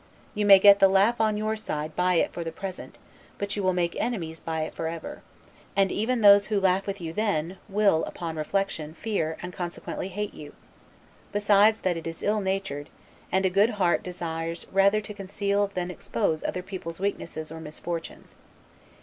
You may get the laugh on your side by it for the present; but you will make enemies by it forever; and even those who laugh with you then, will, upon reflection, fear; and consequently hate you; besides that it is ill natured, and a good heart desires rather to conceal than expose other people's weaknesses or misfortunes.